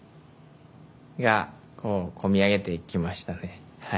込み上げてきましたね。